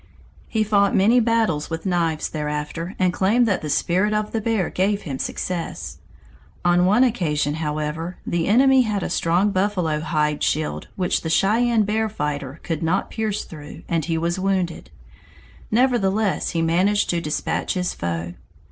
He fought many battles with knives thereafter and claimed that the spirit of the bear gave him success. On one occasion, however, the enemy had a strong buffalo hide shield which the Cheyenne bear fighter could not pierce through, and he was wounded; nevertheless he managed to dispatch his foe.